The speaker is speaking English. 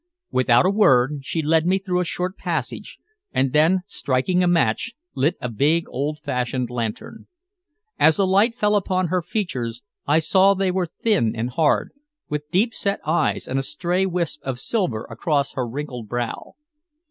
Without a word she led me through a short passage, and then, striking a match, lit a big old fashioned lantern. As the light fell upon her features I saw they were thin and hard, with deep set eyes and a stray wisp of silver across her wrinkled brow.